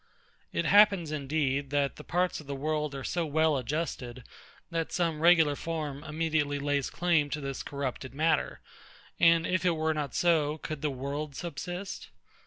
It happens indeed, that the parts of the world are so well adjusted, that some regular form immediately lays claim to this corrupted matter: and if it were not so, could the world subsist?